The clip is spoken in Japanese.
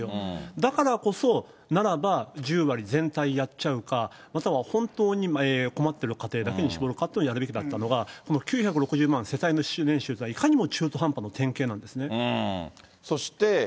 だからこそ、ならば、１０割全体やっちゃうか、または本当に困っている過程だけに絞るかっていうことにやるべきだったのか、もう９６０万世帯主年収というのは、いかにも中途半端な典型なんですね。